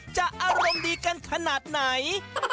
อารมณ์ดีกันขนาดไหน